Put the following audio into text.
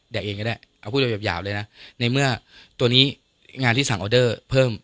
เองก็ได้เอาพูดไปหยาบเลยนะในเมื่อตัวนี้งานที่สั่งออเดอร์เพิ่ม